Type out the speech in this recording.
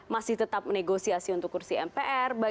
masih tetap negosiasi untuk kursi mpr